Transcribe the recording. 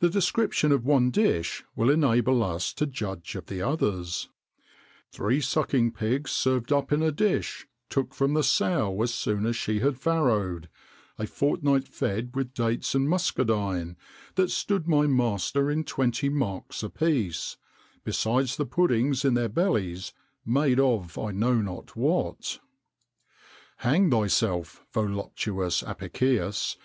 [XXIX 102] The description of one dish will enable us to judge of the others "Three sucking pigs, served up in a dish, Took from the sow as soon as she had farrowed, A fortnight fed with dates and muskadine,[Z] That stood my master in twenty marks a piece; Besides the puddings in their bellies, made Of I know not what."[XXIX 103] Hang thyself, voluptuous Apicius!